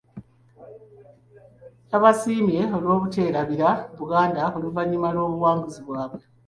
Yabasiimye olw'obuteerabira Buganda oluvannyuma lw'obuwanguzi bwabwe.